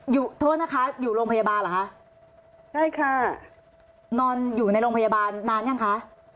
โทษนะคะอยู่โรงพยาบาลเหรอคะใช่ค่ะนอนอยู่ในโรงพยาบาลนานยังคะ